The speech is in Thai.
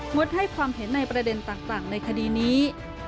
ดให้ความเห็นในประเด็นต่างในคดีนี้